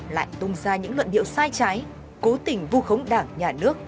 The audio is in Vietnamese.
lại tung ra những luận điệu sai trái cố tình vu khống đảng nhà nước